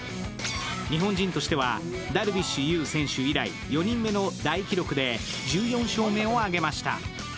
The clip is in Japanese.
日本人としてはダルビッシュ有選手以来４人目の大記録で１４勝目を挙げました。